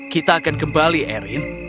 kita akan kembali arryn